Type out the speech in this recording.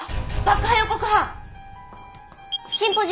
爆破予告犯！